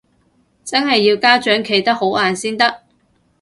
真係要家長企得好硬先得